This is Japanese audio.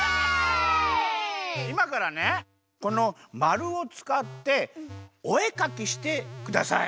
いまからねこのまるをつかっておえかきしてください。